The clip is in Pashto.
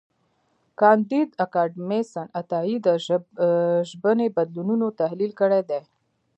کانديد اکاډميسن عطایي د ژبني بدلونونو تحلیل کړی دی.